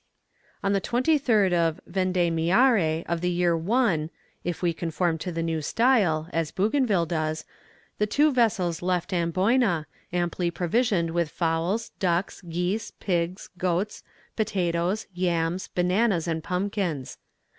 On the 23rd of "Vendémiaire" of the year 1, if we conform to the new style, as Bougainville does, the two vessels left Amboyna, amply provisioned with fowls, ducks, geese, pigs, goats, potatoes, yams, bananas, and pumpkins.